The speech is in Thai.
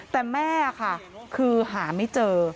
แต่แม่ค่ะคือหาไม่เจอ